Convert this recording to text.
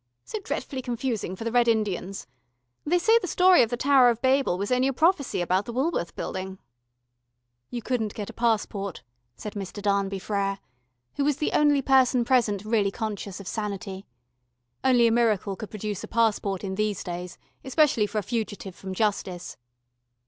So dretfully confusing for the Red Indians. They say the story of the Tower of Babel was only a prophecy about the Woolworth Building " "You couldn't get a passport," said Mr. Darnby Frere, who was the only person present really conscious of sanity. "Only a miracle could produce a passport in these days, especially for a fugitive from justice."